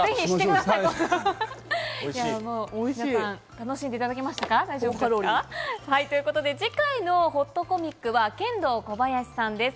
皆さん、楽しんでいただけましたか？ということで次回のほっとコミックはケンドーコバヤシさんです。